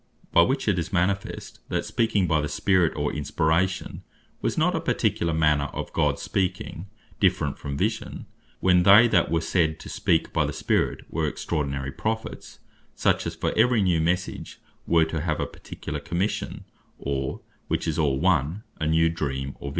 By which it is manifest, that speaking by the Spirit, or Inspiration, was not a particular manner of Gods speaking, different from Vision, when they that were said to speak by the Spirit, were extraordinary Prophets, such as for every new message, were to have a particular Commission, or (which is all one) a new Dream, or Vision.